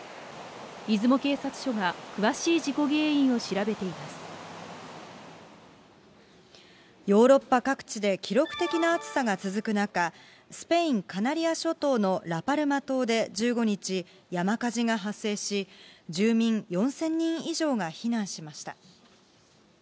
出雲警察署が詳しい事故原因を調ヨーロッパ各地で記録的な暑さが続く中、スペイン・カナリア諸島のラパルマ島で１５日、山火事が発生し、住民４０００人以上が避難しました。